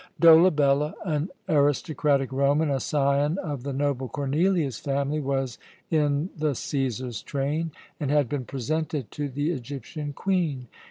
Dolabella, an aristocratic Roman, a scion of the noble Cornelius family, was in the Cæsar's train, and had been presented to the Egyptian Queen.